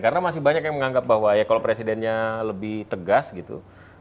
karena masih banyak yang menganggap bahwa ya kalau presidennya lebih tegas gitu